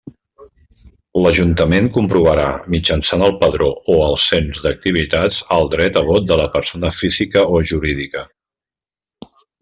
L'Ajuntament comprovarà mitjançant el Padró o del Cens d'Activitats el dret a vot de la persona física o jurídica.